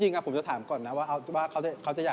จริงผมจะถามก่อนนะว่าเขาจะอยากกินอะไรเพราะว่า